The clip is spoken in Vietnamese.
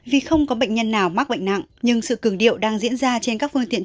vì không có bệnh nhân nào mắc bệnh nặng nhưng sự cường điệu đang diễn ra trên các phương tiện